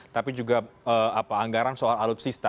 tapi juga anggaran soal alutsista